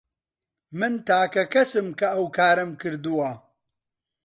من تاکە کەسم کە ئەو کارەم کردووە.